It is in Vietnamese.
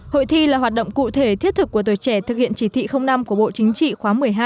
hội thi là hoạt động cụ thể thiết thực của tuổi trẻ thực hiện chỉ thị năm của bộ chính trị khóa một mươi hai